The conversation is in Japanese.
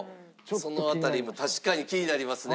その辺りも確かに気になりますね。